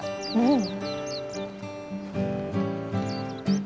うん。